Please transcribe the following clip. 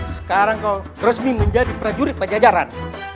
sekarang kau resmi menjadi prajurit pajajaran